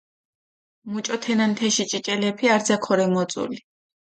მუჭო თენან თეში ჭიჭელეფი არძა ქორე მოწული.